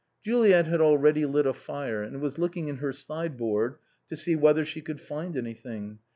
Juliet had already lit a fire, and was looking in her side board to see whether she could find anything.